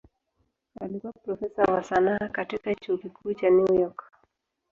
Alikuwa profesa wa sanaa katika Chuo Kikuu cha New York.